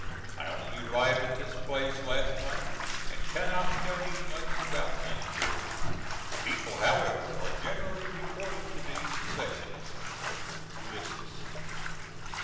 I only arrived at this place last night and cannot tell you much about things here. The people however are generally reported to be secessionists. ULYS.